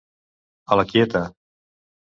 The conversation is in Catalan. A la quieta.